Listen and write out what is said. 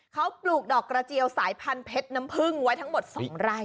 เขาปลูกดอกกระเจียวสายพันธุเพชรน้ำพึ่งไว้ทั้งหมด๒ไร่